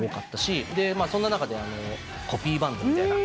そんな中でコピーバンドみたいな。